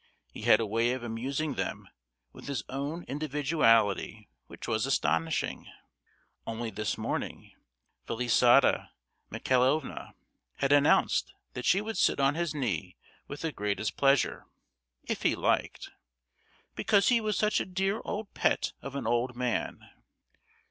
He had a way of amusing them with his own individuality which was astonishing! Only this morning Felisata Michaelovna had announced that she would sit on his knee with the greatest pleasure, if he liked; "because he was such a dear old pet of an old man!"